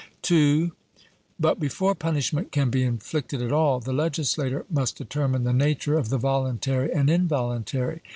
II. But before punishment can be inflicted at all, the legislator must determine the nature of the voluntary and involuntary.